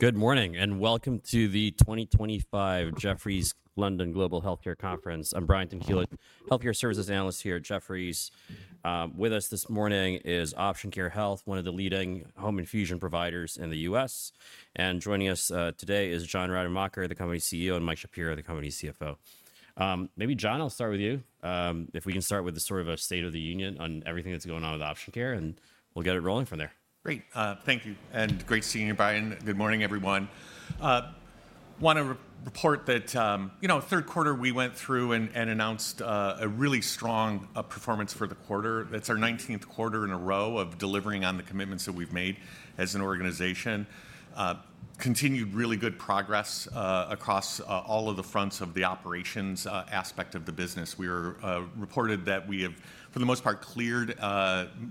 Good morning and welcome to the 2025 Jefferies London Global Healthcare Conference. I'm Brian Tanquilut, Healthcare Services Analyst here at Jefferies. With us this morning is Option Care Health, one of the leading home infusion providers in the U.S. And joining us today is John Rademacher, the company CEO, and Mike Shapiro, the company CFO. Maybe, John, I'll start with you. If we can start with the sort of a state of the union on everything that's going on with Option Care, and we'll get it rolling from there. Great. Thank you. And great seeing you, Brian. Good morning, everyone. I want to report that, you know, third quarter, we went through and announced a really strong performance for the quarter. That's our 19th quarter in a row of delivering on the commitments that we've made as an organization. Continued really good progress across all of the fronts of the operations aspect of the business. We reported that we have, for the most part, cleared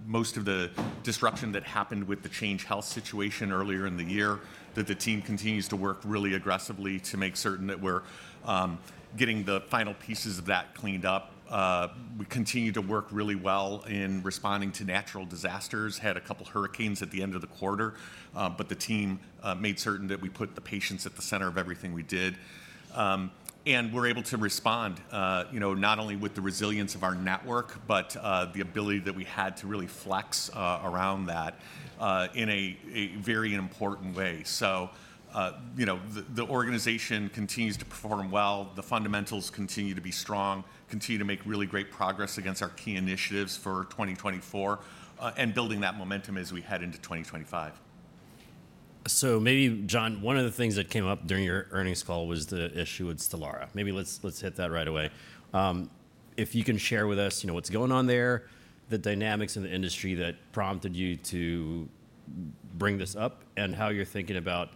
most of the disruption that happened with the Change Healthcare situation earlier in the year, that the team continues to work really aggressively to make certain that we're getting the final pieces of that cleaned up. We continue to work really well in responding to natural disasters. Had a couple of hurricanes at the end of the quarter, but the team made certain that we put the patients at the center of everything we did. And we're able to respond, you know, not only with the resilience of our network, but the ability that we had to really flex around that in a very important way. So, you know, the organization continues to perform well. The fundamentals continue to be strong, continue to make really great progress against our key initiatives for 2024, and building that momentum as we head into 2025. So maybe, John, one of the things that came up during your earnings call was the issue with Stelara. Maybe let's hit that right away. If you can share with us, you know, what's going on there, the dynamics in the industry that prompted you to bring this up, and how you're thinking about,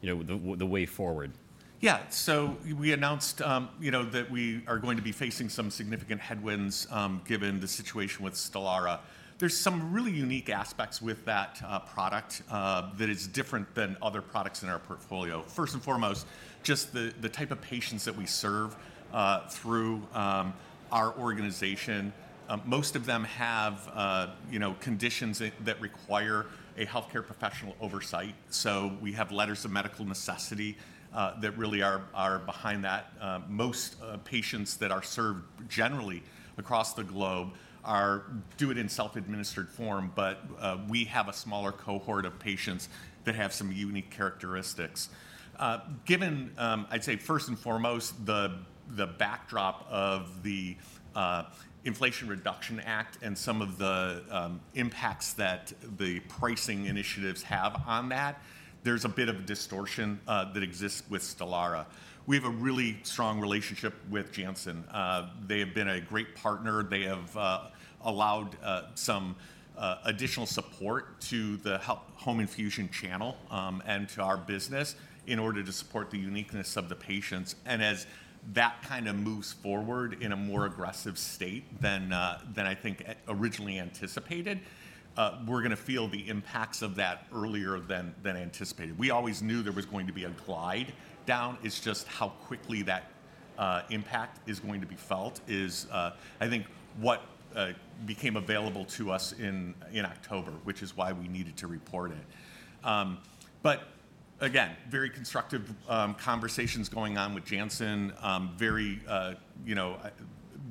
you know, the way forward. Yeah. So we announced, you know, that we are going to be facing some significant headwinds given the situation with Stelara. There's some really unique aspects with that product that is different than other products in our portfolio. First and foremost, just the type of patients that we serve through our organization. Most of them have, you know, conditions that require a healthcare professional oversight. So we have letters of medical necessity that really are behind that. Most patients that are served generally across the globe do it in self-administered form, but we have a smaller cohort of patients that have some unique characteristics. Given, I'd say, first and foremost, the backdrop of the Inflation Reduction Act and some of the impacts that the pricing initiatives have on that, there's a bit of a distortion that exists with Stelara. We have a really strong relationship with Janssen. They have been a great partner. They have allowed some additional support to the home infusion channel and to our business in order to support the uniqueness of the patients. And as that kind of moves forward in a more aggressive state than I think originally anticipated, we're going to feel the impacts of that earlier than anticipated. We always knew there was going to be a glide down. It's just how quickly that impact is going to be felt is, I think, what became available to us in October, which is why we needed to report it. But again, very constructive conversations going on with Janssen, very, you know,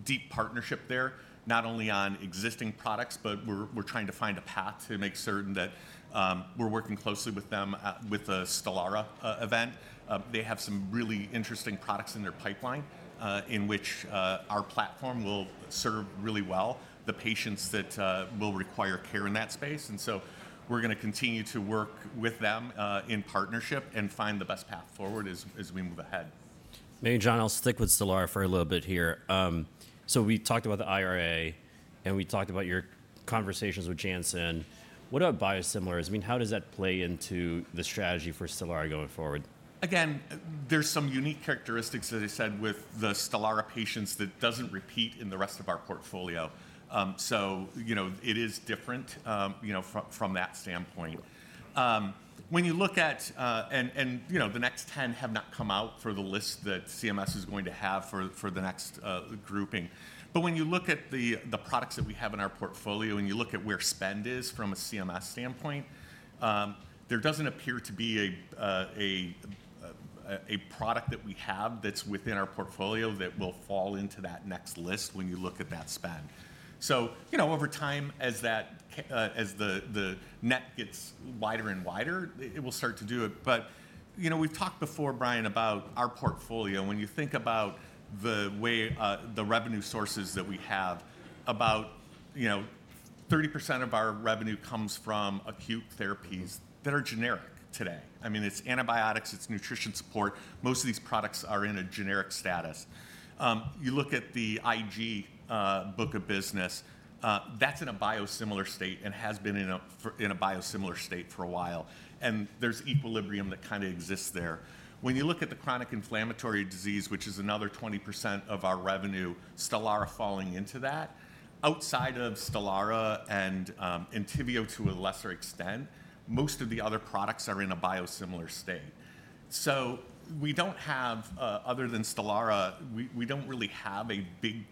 deep partnership there, not only on existing products, but we're trying to find a path to make certain that we're working closely with them with the Stelara event. They have some really interesting products in their pipeline in which our platform will serve really well the patients that will require care in that space, and so we're going to continue to work with them in partnership and find the best path forward as we move ahead. Maybe, John, I'll stick with Stelara for a little bit here. So we talked about the IRA, and we talked about your conversations with Janssen. What about biosimilars? I mean, how does that play into the strategy for Stelara going forward? Again, there's some unique characteristics, as I said, with the Stelara patients that doesn't repeat in the rest of our portfolio. So, you know, it is different, you know, from that standpoint. When you look at, you know, the next 10 have not come out for the list that CMS is going to have for the next grouping. But when you look at the products that we have in our portfolio and you look at where spend is from a CMS standpoint, there doesn't appear to be a product that we have that's within our portfolio that will fall into that next list when you look at that spend. So, you know, over time, as the net gets wider and wider, it will start to do it. But, you know, we've talked before, Brian, about our portfolio. When you think about the way the revenue sources that we have, about, you know, 30% of our revenue comes from acute therapies that are generic today. I mean, it's antibiotics, it's nutrition support. Most of these products are in a generic status. You look at the IG book of business, that's in a biosimilar state and has been in a biosimilar state for a while. And there's equilibrium that kind of exists there. When you look at the chronic inflammatory disease, which is another 20% of our revenue, Stelara falling into that, outside of Stelara and Entyvio to a lesser extent, most of the other products are in a biosimilar state. So we don't have, other than Stelara, we don't really have a big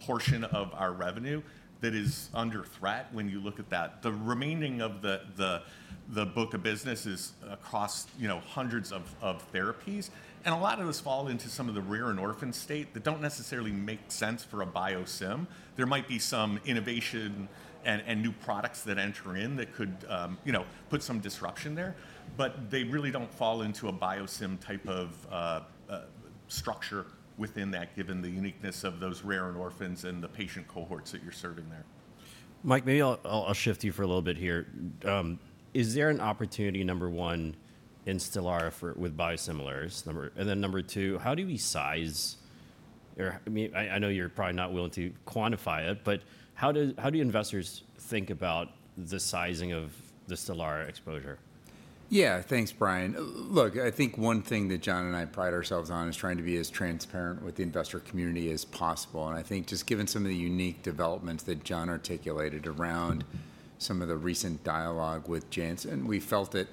portion of our revenue that is under threat when you look at that. The remaining of the book of business is across, you know, hundreds of therapies, and a lot of those fall into some of the rare and orphan space that don't necessarily make sense for a biosim. There might be some innovation and new products that enter in that could, you know, put some disruption there, but they really don't fall into a biosim type of structure within that, given the uniqueness of those rare and orphans and the patient cohorts that you're serving there. Mike, maybe I'll shift you for a little bit here. Is there an opportunity, number one, in Stelara with biosimilars? And then number two, how do we size? I mean, I know you're probably not willing to quantify it, but how do investors think about the sizing of the Stelara exposure? Yeah, thanks, Brian. Look, I think one thing that John and I pride ourselves on is trying to be as transparent with the investor community as possible. And I think just given some of the unique developments that John articulated around some of the recent dialogue with Janssen, we felt it,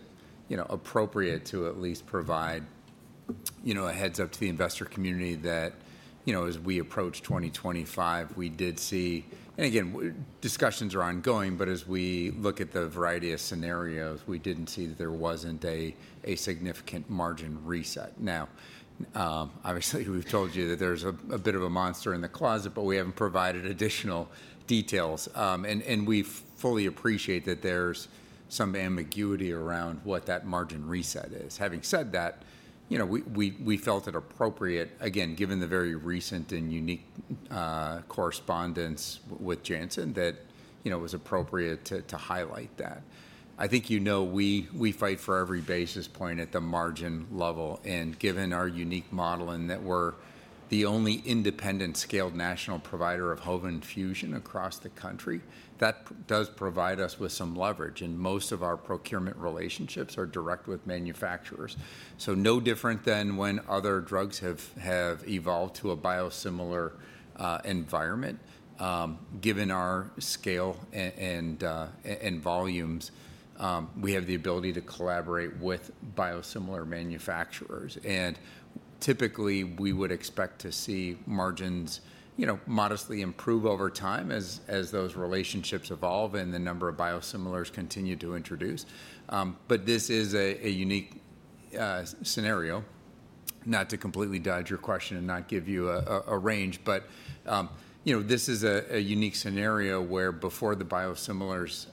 you know, appropriate to at least provide, you know, a heads up to the investor community that, you know, as we approach 2025, we did see, and again, discussions are ongoing, but as we look at the variety of scenarios, we didn't see that there wasn't a significant margin reset. Now, obviously, we've told you that there's a bit of a monster in the closet, but we haven't provided additional details. And we fully appreciate that there's some ambiguity around what that margin reset is. Having said that, you know, we felt it appropriate, again, given the very recent and unique correspondence with Janssen that, you know, it was appropriate to highlight that. I think, you know, we fight for every basis point at the margin level. And given our unique model and that we're the only independent scaled national provider of home infusion across the country, that does provide us with some leverage. And most of our procurement relationships are direct with manufacturers. So no different than when other drugs have evolved to a biosimilar environment. Given our scale and volumes, we have the ability to collaborate with biosimilar manufacturers. And typically, we would expect to see margins, you know, modestly improve over time as those relationships evolve and the number of biosimilars continue to introduce. But this is a unique scenario, not to completely dodge your question and not give you a range, but, you know, this is a unique scenario where before the biosimilars,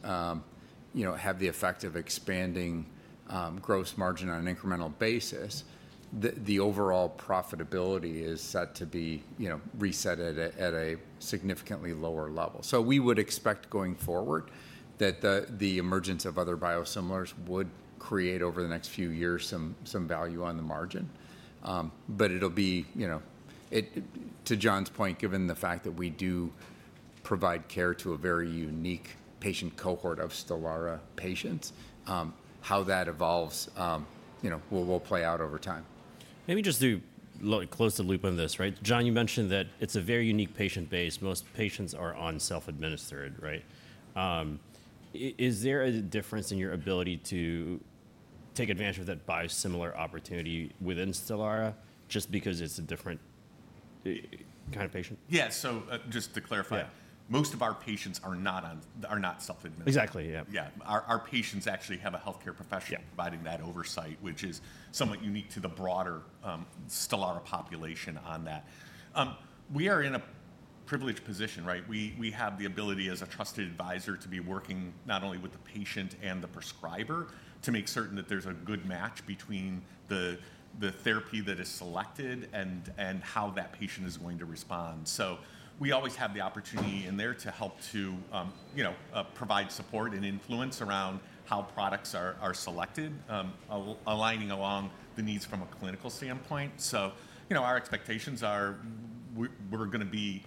you know, have the effect of expanding gross margin on an incremental basis, the overall profitability is set to be, you know, reset at a significantly lower level. So we would expect going forward that the emergence of other biosimilars would create over the next few years some value on the margin. But it'll be, you know, to John's point, given the fact that we do provide care to a very unique patient cohort of Stelara patients, how that evolves, you know, will play out over time. Maybe just to close the loop on this, right? John, you mentioned that it's a very unique patient base. Most patients are on self-administered, right? Is there a difference in your ability to take advantage of that biosimilar opportunity within Stelara just because it's a different kind of patient? Yeah. So just to clarify, most of our patients are not self-administered. Exactly. Yeah. Yeah. Our patients actually have a healthcare professional providing that oversight, which is somewhat unique to the broader Stelara population on that. We are in a privileged position, right? We have the ability as a trusted advisor to be working not only with the patient and the prescriber to make certain that there's a good match between the therapy that is selected and how that patient is going to respond. So we always have the opportunity in there to help to, you know, provide support and influence around how products are selected, aligning along the needs from a clinical standpoint. So, you know, our expectations are we're going to be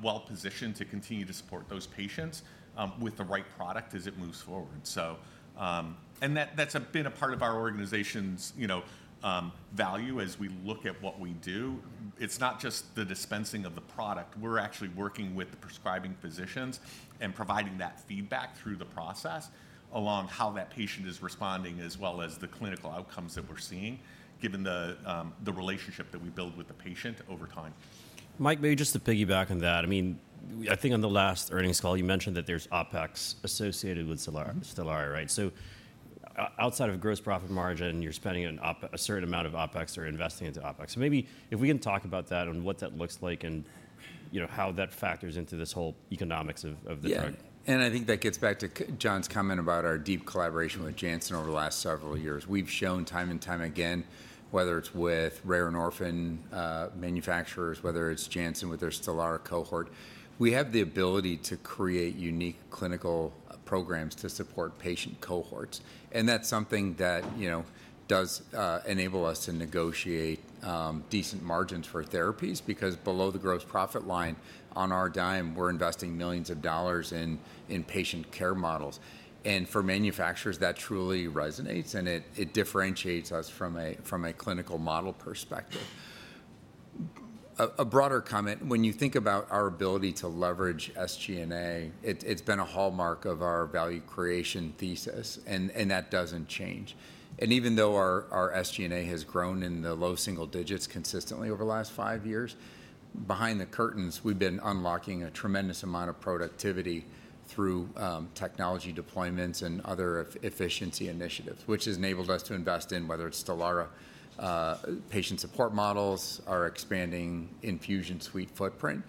well positioned to continue to support those patients with the right product as it moves forward. So, and that's been a part of our organization's, you know, value as we look at what we do. It's not just the dispensing of the product. We're actually working with the prescribing physicians and providing that feedback through the process along how that patient is responding as well as the clinical outcomes that we're seeing, given the relationship that we build with the patient over time. Mike, maybe just to piggyback on that, I mean, I think on the last earnings call, you mentioned that there's OpEx associated with Stelara, right? So outside of gross profit margin, you're spending a certain amount of OpEx or investing into OpEx. So maybe if we can talk about that and what that looks like and, you know, how that factors into this whole economics of the drug. Yeah. And I think that gets back to John's comment about our deep collaboration with Janssen over the last several years. We've shown time and time again, whether it's with rare and orphan manufacturers, whether it's Janssen with their Stelara cohort, we have the ability to create unique clinical programs to support patient cohorts. And that's something that, you know, does enable us to negotiate decent margins for therapies because below the gross profit line on our dime, we're investing millions of dollars in patient care models. And for manufacturers, that truly resonates and it differentiates us from a clinical model perspective. A broader comment, when you think about our ability to leverage SG&A, it's been a hallmark of our value creation thesis, and that doesn't change. Even though our SG&A has grown in the low single digits consistently over the last five years, behind the curtains, we've been unlocking a tremendous amount of productivity through technology deployments and other efficiency initiatives, which has enabled us to invest in whether it's Stelara patient support models, our expanding infusion suite footprint.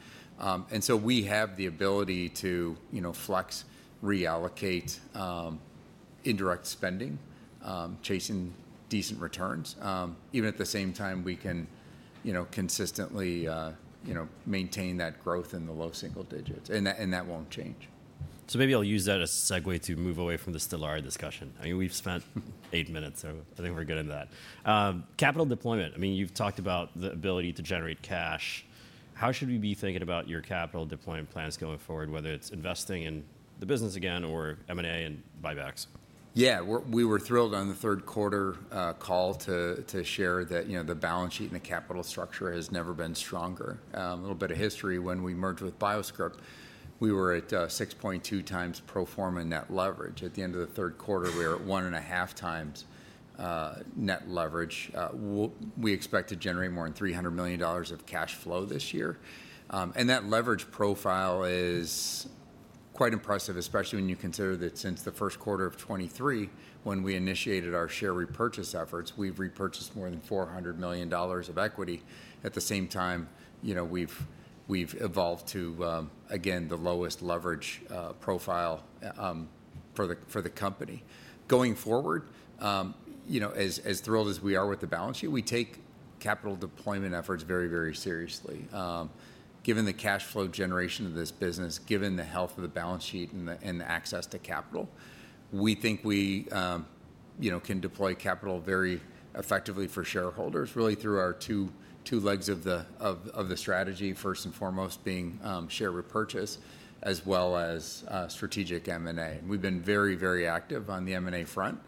So we have the ability to, you know, flex, reallocate indirect spending, chasing decent returns. Even at the same time, we can, you know, consistently, you know, maintain that growth in the low single digits, and that won't change. So maybe I'll use that as a segue to move away from the Stelara discussion. I mean, we've spent eight minutes, so I think we're good on that. Capital deployment, I mean, you've talked about the ability to generate cash. How should we be thinking about your capital deployment plans going forward, whether it's investing in the business again or M&A and buybacks? Yeah, we were thrilled on the third quarter call to share that, you know, the balance sheet and the capital structure has never been stronger. A little bit of history. When we merged with BioScrip, we were at 6.2 times pro forma net leverage. At the end of the third quarter, we were at one and a half times net leverage. We expect to generate more than $300 million of cash flow this year, and that leverage profile is quite impressive, especially when you consider that since the first quarter of 2023, when we initiated our share repurchase efforts, we've repurchased more than $400 million of equity. At the same time, you know, we've evolved to, again, the lowest leverage profile for the company. Going forward, you know, as thrilled as we are with the balance sheet, we take capital deployment efforts very, very seriously. Given the cash flow generation of this business, given the health of the balance sheet and the access to capital, we think we, you know, can deploy capital very effectively for shareholders, really through our two legs of the strategy, first and foremost being share repurchase, as well as strategic M&A, and we've been very, very active on the M&A front.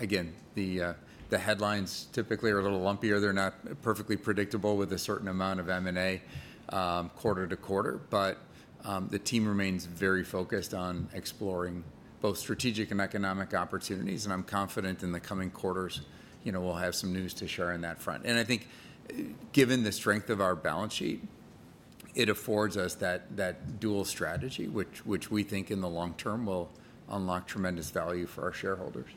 Again, the headlines typically are a little lumpier. They're not perfectly predictable with a certain amount of M&A quarter to quarter, but the team remains very focused on exploring both strategic and economic opportunities, and I'm confident in the coming quarters, you know, we'll have some news to share on that front, and I think given the strength of our balance sheet, it affords us that dual strategy, which we think in the long term will unlock tremendous value for our shareholders.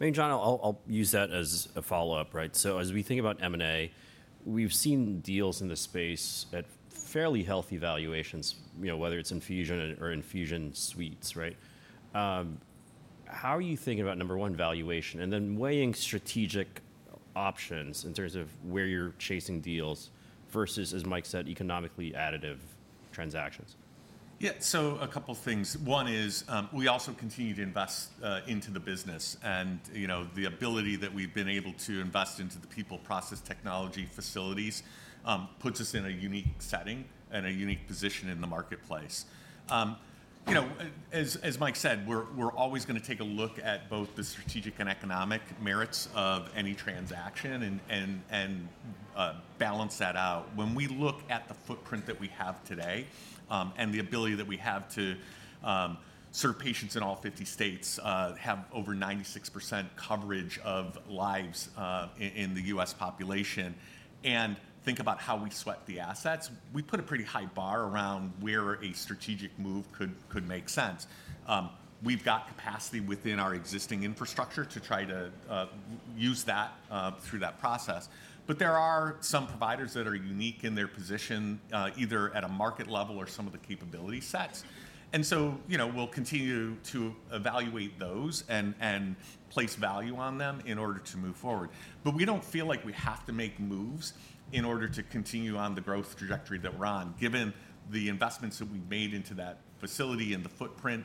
I mean, John, I'll use that as a follow-up, right? So as we think about M&A, we've seen deals in the space at fairly healthy valuations, you know, whether it's infusion or infusion suites, right? How are you thinking about, number one, valuation and then weighing strategic options in terms of where you're chasing deals versus, as Mike said, economically additive transactions? Yeah, so a couple of things. One is we also continue to invest into the business. And, you know, the ability that we've been able to invest into the people, process, technology facilities puts us in a unique setting and a unique position in the marketplace. You know, as Mike said, we're always going to take a look at both the strategic and economic merits of any transaction and balance that out. When we look at the footprint that we have today and the ability that we have to serve patients in all 50 states, have over 96% coverage of lives in the U.S. population, and think about how we sweat the assets, we put a pretty high bar around where a strategic move could make sense. We've got capacity within our existing infrastructure to try to use that through that process. But there are some providers that are unique in their position, either at a market level or some of the capability sets. And so, you know, we'll continue to evaluate those and place value on them in order to move forward. But we don't feel like we have to make moves in order to continue on the growth trajectory that we're on, given the investments that we've made into that facility and the footprint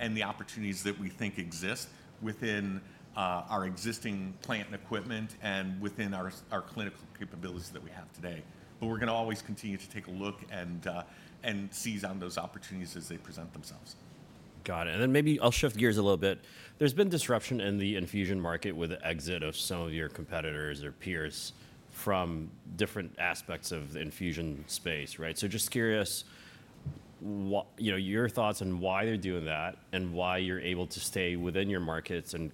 and the opportunities that we think exist within our existing plant and equipment and within our clinical capabilities that we have today. But we're going to always continue to take a look and seize on those opportunities as they present themselves. Got it. And then maybe I'll shift gears a little bit. There's been disruption in the infusion market with the exit of some of your competitors or peers from different aspects of the infusion space, right? So just curious, you know, your thoughts on why they're doing that and why you're able to stay within your markets and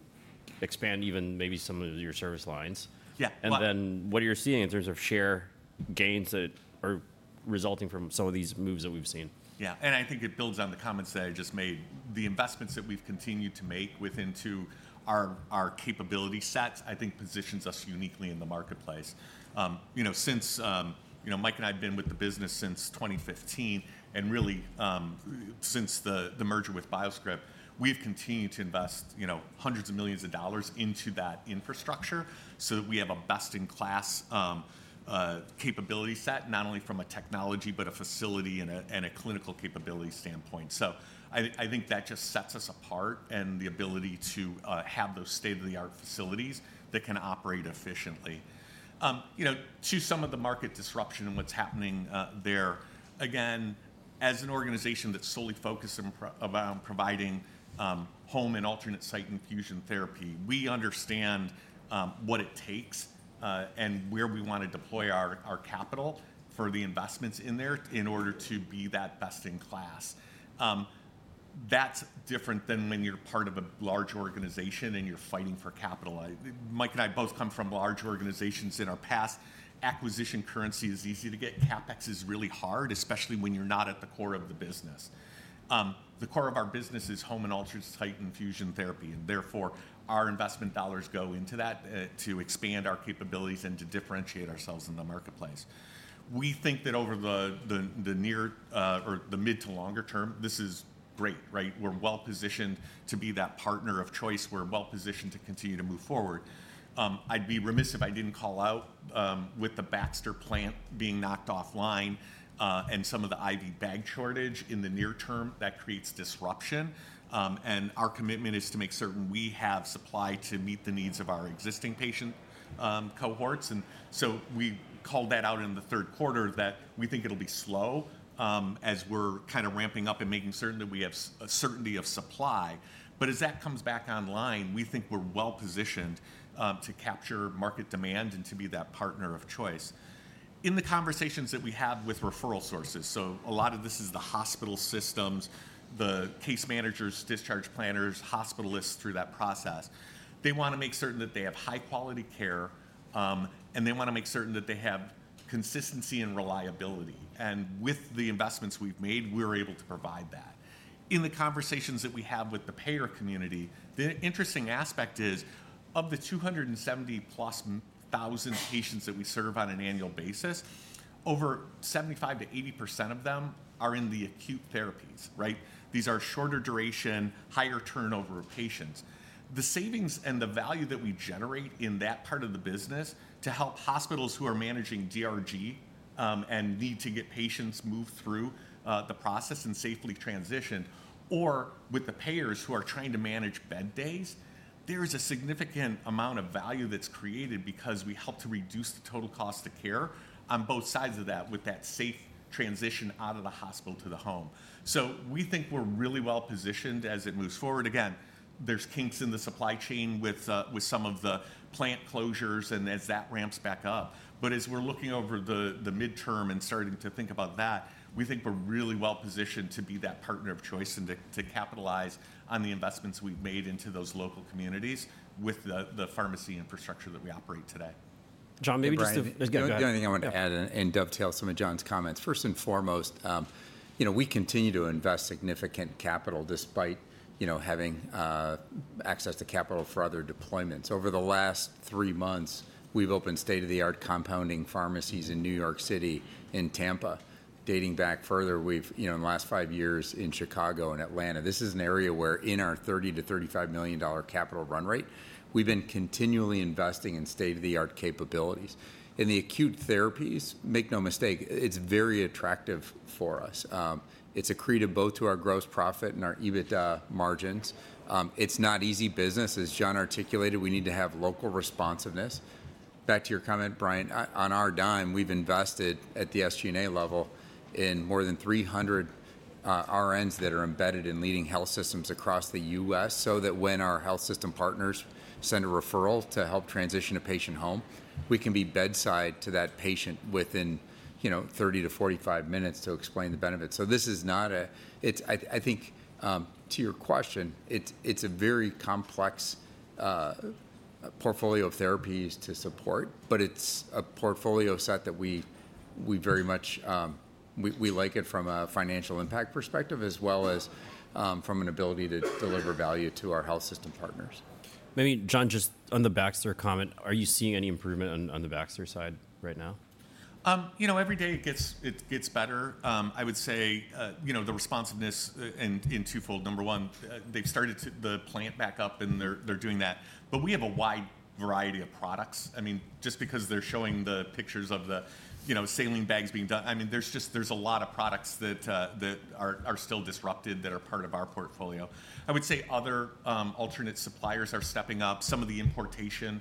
expand even maybe some of your service lines. Yeah. And then what are you seeing in terms of share gains that are resulting from some of these moves that we've seen? Yeah. And I think it builds on the comments that I just made. The investments that we've continued to make within our capability sets, I think, positions us uniquely in the marketplace. You know, since, you know, Mike and I have been with the business since 2015 and really since the merger with BioScrip, we've continued to invest, you know, hundreds of millions of dollars into that infrastructure so that we have a best-in-class capability set, not only from a technology, but a facility and a clinical capability standpoint. So I think that just sets us apart and the ability to have those state-of-the-art facilities that can operate efficiently. You know, to some of the market disruption and what's happening there, again, as an organization that's solely focused around providing home and alternate site infusion therapy, we understand what it takes and where we want to deploy our capital for the investments in there in order to be that best-in-class. That's different than when you're part of a large organization and you're fighting for capital. Mike and I both come from large organizations in our past. Acquisition currency is easy to get. CapEx is really hard, especially when you're not at the core of the business. The core of our business is home and alternate site infusion therapy, and therefore our investment dollars go into that to expand our capabilities and to differentiate ourselves in the marketplace. We think that over the near or the mid to longer term, this is great, right? We're well positioned to be that partner of choice. We're well positioned to continue to move forward. I'd be remiss if I didn't call out with the Baxter plant being knocked offline and some of the IV bag shortage in the near term that creates disruption, and our commitment is to make certain we have supply to meet the needs of our existing patient cohorts, and so we called that out in the third quarter that we think it'll be slow as we're kind of ramping up and making certain that we have a certainty of supply, but as that comes back online, we think we're well positioned to capture market demand and to be that partner of choice. In the conversations that we have with referral sources, so a lot of this is the hospital systems, the case managers, discharge planners, hospitalists through that process. They want to make certain that they have high-quality care, and they want to make certain that they have consistency and reliability. With the investments we've made, we're able to provide that. In the conversations that we have with the payer community, the interesting aspect is of the 270,000+ patients that we serve on an annual basis, over 75%-80% of them are in the acute therapies, right? These are shorter duration, higher turnover patients. The savings and the value that we generate in that part of the business to help hospitals who are managing DRG and need to get patients moved through the process and safely transitioned, or with the payers who are trying to manage bed days, there is a significant amount of value that's created because we help to reduce the total cost of care on both sides of that with that safe transition out of the hospital to the home, so we think we're really well positioned as it moves forward. Again, there's kinks in the supply chain with some of the plant closures and as that ramps back up. But as we're looking over the midterm and starting to think about that, we think we're really well positioned to be that partner of choice and to capitalize on the investments we've made into those local communities with the pharmacy infrastructure that we operate today. John, maybe just to. I think I want to add and dovetail some of John's comments. First and foremost, you know, we continue to invest significant capital despite, you know, having access to capital for other deployments. Over the last three months, we've opened state-of-the-art compounding pharmacies in New York City, in Tampa. Dating back further, we've, you know, in the last five years in Chicago and Atlanta, this is an area where in our $30 million-$35 million capital run rate, we've been continually investing in state-of-the-art capabilities. In the acute therapies, make no mistake, it's very attractive for us. It's a key driver of both our gross profit and our EBITDA margins. It's not an easy business. As John articulated, we need to have local responsiveness. Back to your comment, Brian, on our dime, we've invested at the SG&A level in more than 300 RNs that are embedded in leading health systems across the U.S. so that when our health system partners send a referral to help transition a patient home, we can be bedside to that patient within, you know, 30-45 minutes to explain the benefits. So this is not a, it's, I think to your question, it's a very complex portfolio of therapies to support, but it's a portfolio set that we very much, we like it from a financial impact perspective as well as from an ability to deliver value to our health system partners. Maybe John, just on the Baxter comment, are you seeing any improvement on the Baxter side right now? You know, every day it gets better. I would say, you know, the responsiveness in twofold. Number one, they've started to get the plant back up and they're doing that. But we have a wide variety of products. I mean, just because they're showing the pictures of the, you know, saline bags being done, I mean, there's just a lot of products that are still disrupted that are part of our portfolio. I would say other alternate suppliers are stepping up. Some of the importation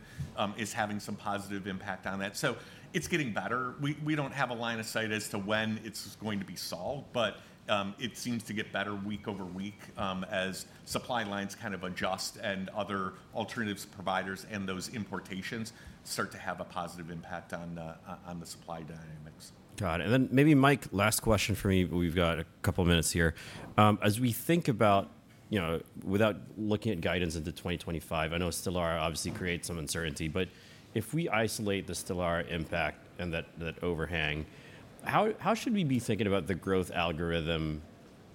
is having some positive impact on that. So it's getting better. We don't have a line of sight as to when it's going to be solved, but it seems to get better week over week as supply lines kind of adjust and other alternative providers and those importations start to have a positive impact on the supply dynamics. Got it. And then maybe Mike, last question for me, but we've got a couple of minutes here. As we think about, you know, without looking at guidance into 2025, I know Stelara obviously creates some uncertainty, but if we isolate the Stelara impact and that overhang, how should we be thinking about the growth algorithm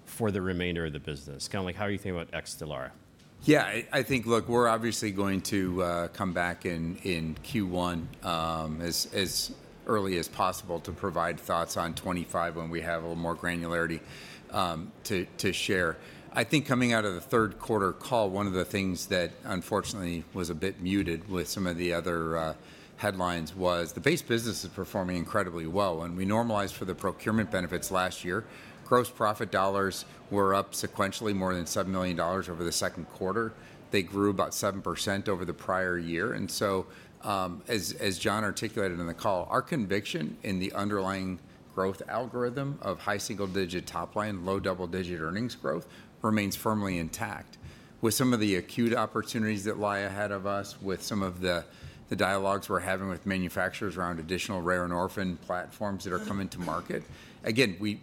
for the remainder of the business? Kind of like, how are you thinking about X Stelara? Yeah, I think, look, we're obviously going to come back in Q1 as early as possible to provide thoughts on 2025 when we have a little more granularity to share. I think coming out of the third quarter call, one of the things that unfortunately was a bit muted with some of the other headlines was the base business is performing incredibly well. When we normalized for the procurement benefits last year, gross profit dollars were up sequentially more than $7 million over the second quarter. They grew about 7% over the prior year. And so as John articulated in the call, our conviction in the underlying growth algorithm of high single-digit top line, low double-digit earnings growth remains firmly intact. With some of the acute opportunities that lie ahead of us, with some of the dialogues we're having with manufacturers around additional rare and orphan platforms that are coming to market, again, we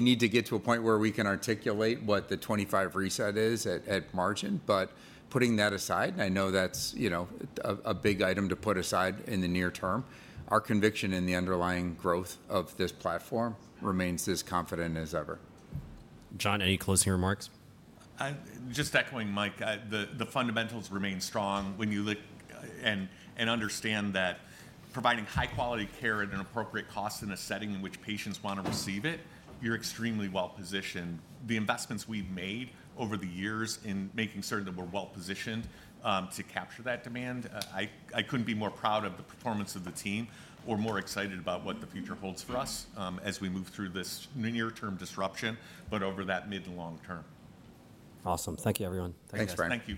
need to get to a point where we can articulate what the 2025 reset is at margin. But putting that aside, I know that's, you know, a big item to put aside in the near term. Our conviction in the underlying growth of this platform remains as confident as ever. John, any closing remarks? Just echoing Mike, the fundamentals remain strong. When you look and understand that providing high-quality care at an appropriate cost in a setting in which patients want to receive it, you're extremely well positioned. The investments we've made over the years in making certain that we're well positioned to capture that demand. I couldn't be more proud of the performance of the team or more excited about what the future holds for us as we move through this near-term disruption, but over that mid and long term. Awesome. Thank you, everyone. Thanks, Brian. Thank you.